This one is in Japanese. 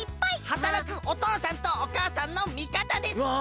はたらくおとうさんとおかあさんのみかたです！わ！